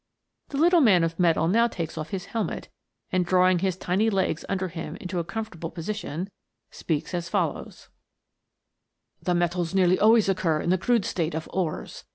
The little man of metal now takes off his helmet, and, drawing his tiny legs under him into a comfortable position, speaks as follows :" The metals nearly always occur in the crude state of ores.